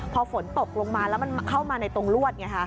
พอฝนตกลงมาแล้วมันเข้ามาในตรงลวดไงฮะ